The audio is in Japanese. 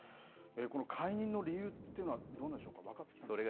この解任の理由というのはどうなんでしょうか、分かったんでしょうか。